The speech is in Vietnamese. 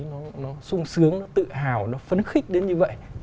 nó sung sướng nó tự hào nó phấn khích đến như vậy